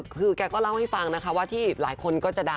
คือแกก็เล่าให้ฟังนะคะว่าที่หลายคนก็จะด่า